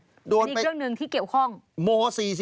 อีกเรื่องหนึ่งที่เกี่ยวข้องม๔๔